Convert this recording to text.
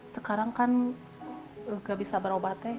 sekarang kan gak bisa berobatnya